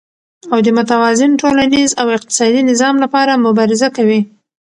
او د متوازن ټولنيز او اقتصادي نظام لپاره مبارزه کوي،